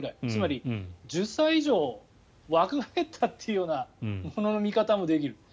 つまり１０歳以上若返ったというような物の見方もできる。